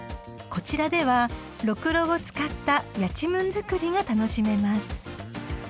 ［こちらではろくろを使ったやちむん作りが楽しめます］